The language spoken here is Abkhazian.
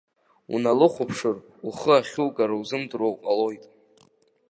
Уналыхәаԥшыр, ухы ахьугара узымдыруа уҟалоит.